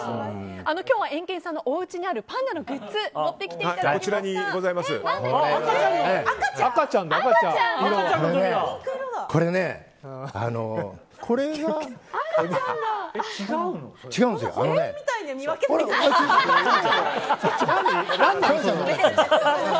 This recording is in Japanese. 今日はエンケンさんのおうちにあるパンダのグッズを赤ちゃんの時だ！